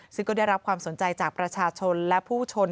ซึ่งก็ได้รับความสนใจจากประชาชนและผู้ชน